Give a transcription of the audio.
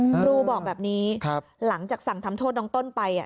ครูบอกแบบนี้หลังจากสั่งทำโทษน้องต้นไป